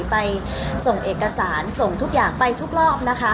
ไปส่งเอกสารส่งทุกอย่างไปทุกรอบนะคะ